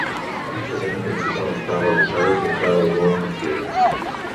La façana principal està arrebossada i pintada de color marfil.